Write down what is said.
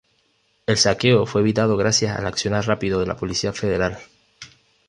El saqueo fue evitado gracias al accionar rápido de la Policía Federal.